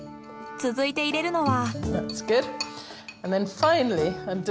続いて入れるのは。